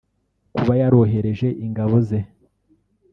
kuba yarohereje ingabo ze